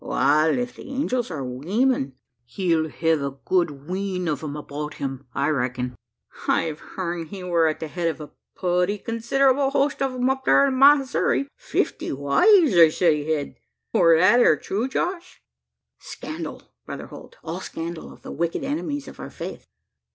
"Wal if the angels are weemen, he'll hev a good wheen o' 'em about him, I reck'n. I've hearn he wur at the head of a putty consid'able host o' 'em up thur in Massoury fifty wives they said he hed! Wur that ere true, Josh?" "Scandal, Brother Holt all scandal of the wicked enemies of our faith.